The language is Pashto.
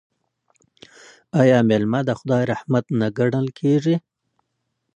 آیا میلمه د خدای رحمت نه ګڼل کیږي؟